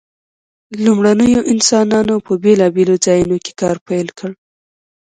لومړنیو انسانانو په بیلابیلو ځایونو کې کار پیل کړ.